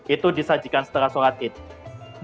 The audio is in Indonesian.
itu disajikan setelah surat itu